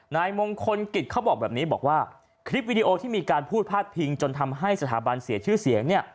นายมงคลกิจเขาบอกแบบนี้บอกว่าคลิปวิดีโอที่มีการพูดพาดพิงจนทำให้สถาบันเสียชื่อเสียงเนี่ย